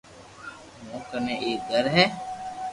مون ڪني ايڪ گھر ھي